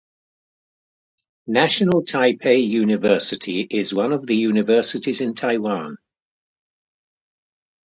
National Taipei University is one of the universities in Taiwan.